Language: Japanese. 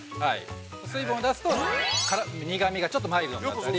水分を出すと、苦みがちょっとマイルドになったり。